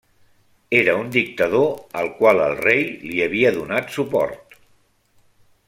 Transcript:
Era un dictador al qual el rei li havia donat suport.